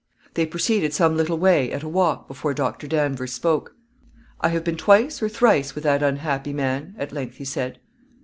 They proceeded some little way at a walk before Doctor Danvers spoke. "I have been twice or thrice with that unhappy man," at length he said.